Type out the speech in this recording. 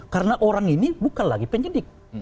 karena orang ini bukan lagi penyelidik